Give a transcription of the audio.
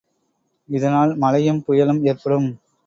இதனால் மழையும் புயலும் ஏற்படும்.